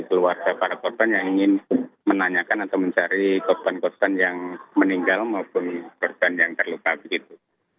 keluarga para korban yang ingin menanyakan atau mencari korban korban yang meninggal maupun korban yang terluka begitu